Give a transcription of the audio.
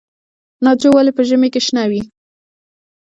ناجو ولې په ژمي کې شنه وي؟